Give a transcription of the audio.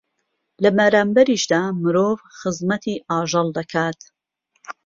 لە بەرانبەریشیدا مرۆڤ خزمەتی ئاژەڵ دەکات